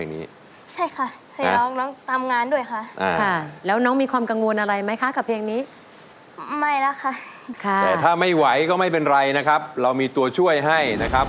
น้องอมแอ่มตัวช่วยจะใช้หรือไม่ใช้ครับ